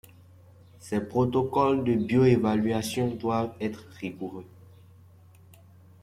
Ces protocoles de bioévaluation doivent être rigoureux.